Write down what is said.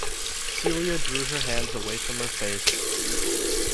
Celia drew her hands away from her face.